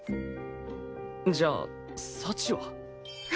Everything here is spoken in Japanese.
じゃあ幸は？